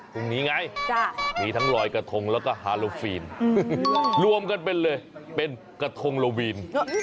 ตรงนี้ไงมีทั้งลอยกระทงแล้วก็ฮาโลฟีนรวมกันเป็นเลยเป็นกระทงโลวีน